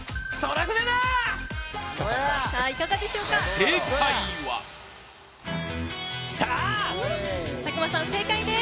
正解は佐久間さん、正解です。